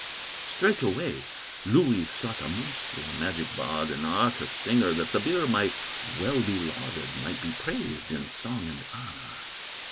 Straightway Louhi sought a minstrel, Magic bard and artist singer, That the beer might well be lauded, Might be praised in song and honor.